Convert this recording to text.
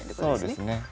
そうですね。